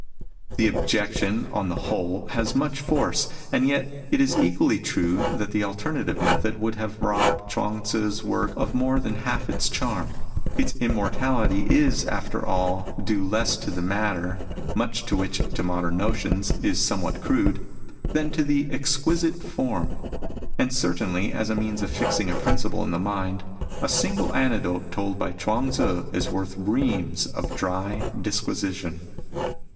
The objection, on the whole, has much force, and yet it is equally true that the alterna tive method would have robbed Chuang Tzu's work of more than half its charm ; its immortality is after all due less to the matter, much of which to modern notions is somewhat crude, than to the exquisite form. And certainly, as a means of fixing a principle in the mind, a single anecdote told by Chuang Tzu is worth reams of dry dis quisition.